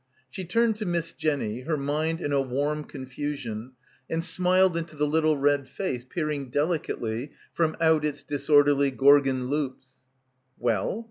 She turned to Miss Jenny, her mind in a warm confusion, and smiled into the little red face peering delicately from out its dis orderly Gorgon loops. "Well?"